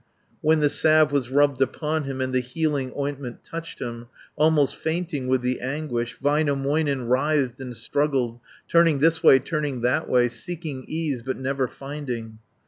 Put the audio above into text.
When the salve was rubbed upon him, And the healing ointment touched him, Almost fainting with the anguish, Väinämöinen writhed and struggled. 520 Turning this way, turning that way, Seeking ease, but never finding.